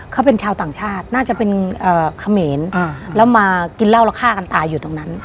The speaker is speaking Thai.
เขาเป็นชาวต่างชาติน่าจะเป็นเขมรแล้วมากินเหล้าแล้วฆ่ากันตายอยู่ตรงนั้น